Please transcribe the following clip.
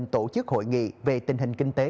tổ chức hội nghị về tình hình kinh tế